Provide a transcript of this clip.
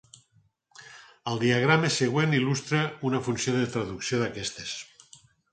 El diagrama següent il·lustra una funció de traducció d'aquestes.